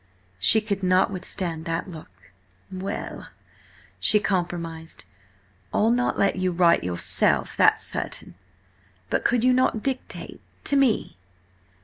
She could not withstand that look. "Well," she compromised, "I'll not let you write yourself, that's certain–but could you not dictate to me?"